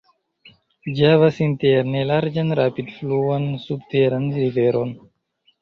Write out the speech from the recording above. Ĝi havas interne larĝan rapid-fluan subteran riveron.